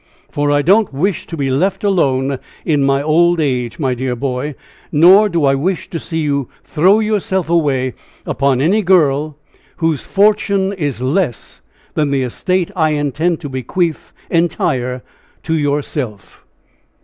"For I don't wish to be left alone in my old age, my dear boy; nor do I wish to see you throw yourself away upon any girl whose fortune is less than the estate I intend to bequeath entire to yourself."